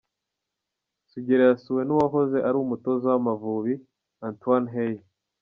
Sugira yasuwe n’uwahoze ari umutoza w’Amavubi Antoine Hey.